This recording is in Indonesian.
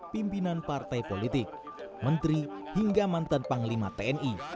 pimpinan partai politik menteri hingga mantan panglima tni